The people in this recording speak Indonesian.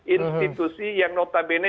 institusi yang notabene